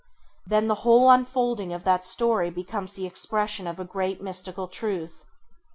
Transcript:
Then the whole unfolding of that story becomes the expression of a great mystical truth.